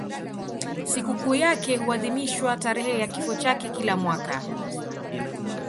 Sikukuu yake huadhimishwa tarehe ya kifo chake kila mwaka.